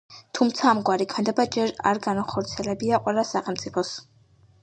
თუმცა ამგვარი ქმედება ჯერ არ განუხორციელებია ყველა სახელმწიფოს.